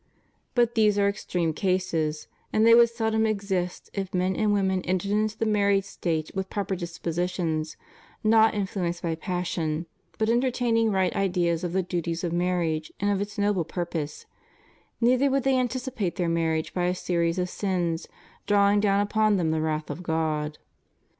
But these are extreme cases; and they would seldom exist if men and women entered into the married state with proper dispositions, not in fluenced by passion, but entertaining right ideas of the duties of marriage and of its noble purpose; neither would they anticipate their marriage by a series of sins drawing down upon them the wrath of God.